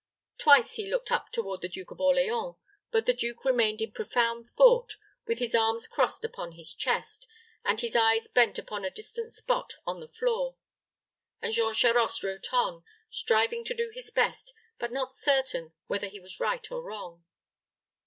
Twice he looked up toward the Duke of Orleans; but the duke remained in profound thought, with his arms crossed upon his chest, and his eyes bent upon a distant spot on the floor; and Jean Charost wrote on, striving to do his best, but not certain whether he was right or wrong.